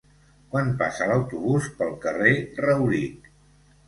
Quan passa l'autobús pel carrer Rauric?